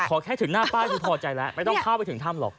แค่ถึงหน้าป้ายคือพอใจแล้วไม่ต้องเข้าไปถึงถ้ำหรอก